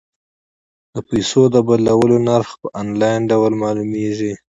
د پيسو د بدلولو نرخ په انلاین ډول معلومیږي.